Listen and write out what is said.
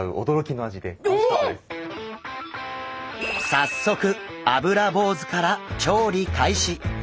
早速アブラボウズから調理開始。